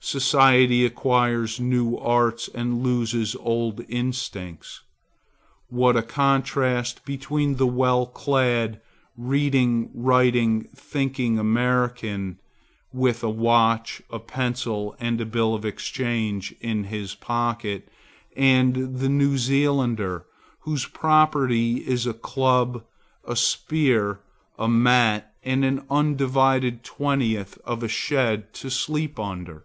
Society acquires new arts and loses old instincts. What a contrast between the well clad, reading, writing, thinking American, with a watch, a pencil and a bill of exchange in his pocket, and the naked New Zealander, whose property is a club, a spear, a mat and an undivided twentieth of a shed to sleep under!